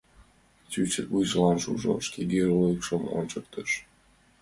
Чӱчӱт, вуйжылан шужо, шке геройлыкшым ончыктыш.